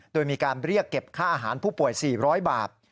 โดยมีการเรียกเก็บค่าอาหารผู้ป่วย๔๐๐บาท